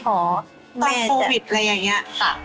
ตอนโควิดอะไรอย่างนี้